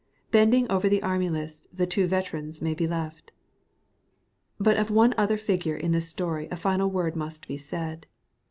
Bending over that Army List the two veterans may be left. But of one other figure in this story a final word must be said.